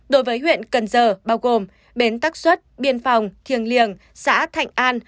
đối với huyện cần giờ bao gồm bến tắc xuất biên phòng thiềng liềng xã thạnh an